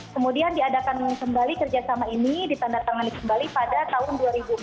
kemudian diadakan kembali kerjasama ini ditandatangani kembali pada tahun dua ribu empat belas